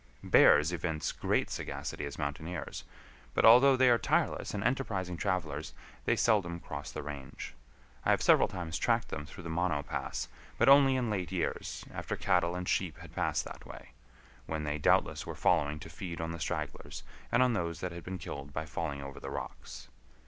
Bears evince great sagacity as mountaineers, but although they are tireless and enterprising travelers they seldom cross the range. I have several times tracked them through the Mono Pass, but only in late years, after cattle and sheep had passed that way, when they doubtless were following to feed on the stragglers and on those that had been killed by falling over the rocks.